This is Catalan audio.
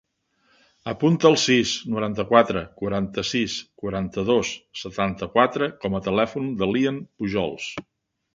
Apunta el sis, noranta-quatre, quaranta-sis, quaranta-dos, setanta-quatre com a telèfon del Lian Pujols.